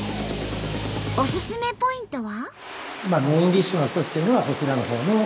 おすすめポイントは？